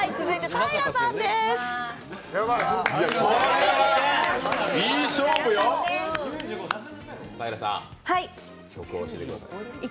ＴＹＲＡさん、曲を教えてください。